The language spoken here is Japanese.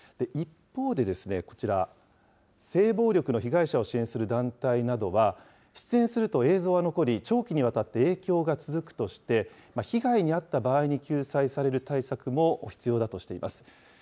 一方でこちら、性暴力の被害者を支援する団体などは、出演すると映像が残り、長期にわたって影響が続くとして、被害に遭った場合に救済される対策も必要だとしています。